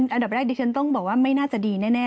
อันดับแรกดิฉันต้องบอกว่าไม่น่าจะดีแน่